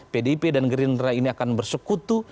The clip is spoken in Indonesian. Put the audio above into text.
pdp dan green rat ini akan bersekutu